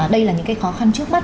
đây là những cái khó khăn trước mắt